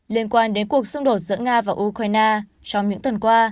liên quan đến cuộc xung đột giữa nga và ukraine trong những tuần qua